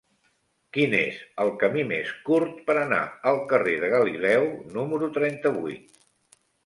Quin és el camí més curt per anar al carrer de Galileu número trenta-vuit?